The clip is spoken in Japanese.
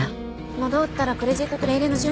戻ったらクレジットとレ入れの準備お願いね。